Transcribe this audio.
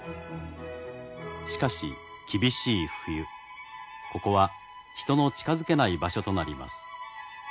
しかし厳しい冬ここは人の近づけない場所となります。